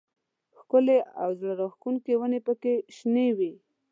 ښکلې او زړه راښکونکې ونې پکې شنې وې.